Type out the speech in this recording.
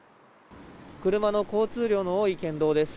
車の交通量の多い県道です。